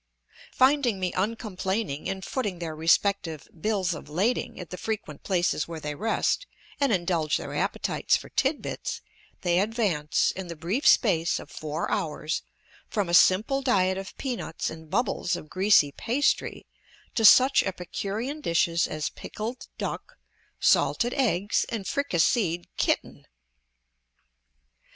Finding me uncomplaining in footing their respective "bills of lading" at the frequent places where they rest and indulge their appetites for tid bits, they advance, in the brief space of four hours, from a simple diet of peanuts and bubbles of greasy pastry to such epicurean dishes as pickled duck, salted eggs, and fricasseed kitten!